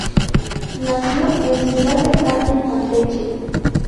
Nació en Ciudad del Carmen, Campeche.